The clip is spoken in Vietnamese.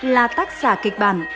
là tác giả kịch bản